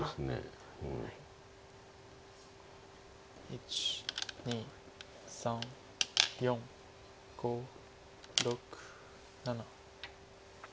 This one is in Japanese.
１２３４５６７。